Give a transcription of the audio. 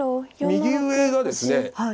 右上がですね